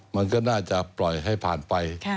มันก็น่าจะปล่อยให้ผ่านไป